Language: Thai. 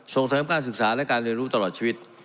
ส่งเสริมการศึกษาและการเรียนรู้ตลอดชีวิต